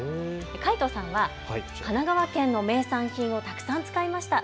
かいとさんは神奈川県の名産品をたくさん使いました。